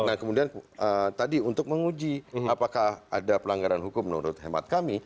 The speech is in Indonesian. nah kemudian tadi untuk menguji apakah ada pelanggaran hukum menurut hemat kami